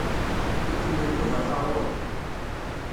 Ikemmel Yuba taɣuri.